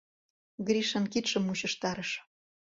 — Гришан кидшым мучыштарыш.